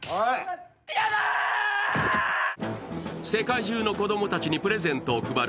世界中の子供たちにプレゼント配る